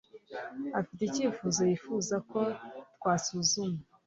afite icyifuzo yifuza ko twasuzuma.